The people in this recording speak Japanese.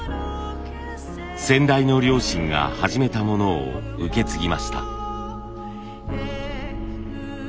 先代の両親が始めたものを受け継ぎました。